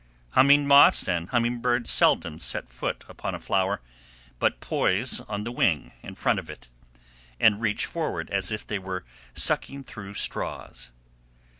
Humming moths and hummingbirds seldom set foot upon a flower, but poise on the wing in front of it, and reach forward as if they were sucking through straws.